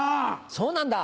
そうなんだ。